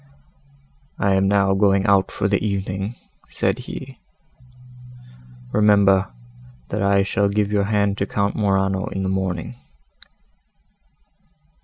"I am now going out for the evening," said he, "remember, that I shall give your hand to Count Morano in the morning."